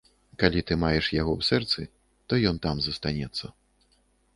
Калі ты маеш яго ў сэрцы, то ён там застанецца.